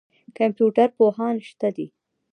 کمپیوټر پوهان شته دي.